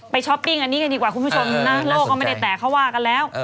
ไปช้อปปิ้งอันนี้กันดีกว่าคุณผู้ชมน่าโลกเอามาเด็ดแตกเข้าวากันแล้ว